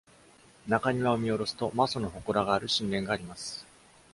中庭を見下ろすと、媽祖の祠がある神殿があります。